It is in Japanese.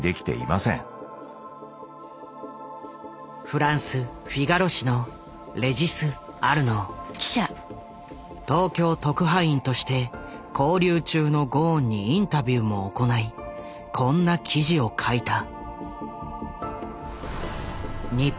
フランス東京特派員として勾留中のゴーンにインタビューも行いこんな記事を書いた。